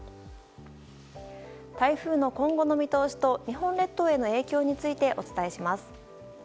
台風の今後の見通しと日本列島への影響についてお伝えします。